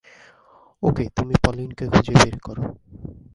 ওকে, তুমি পলিনকে খুঁজে বের করো।